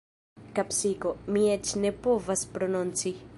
Kapsiko... mi eĉ ne povas prononci.